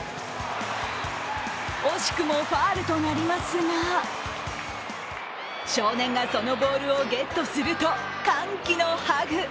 惜しくもファウルとなりますが、少年がそのボールをゲットすると歓喜のハグ。